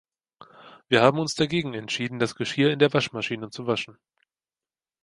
Wir haben uns dagegen entschieden das Geschirr in der Waschmaschine zu waschen.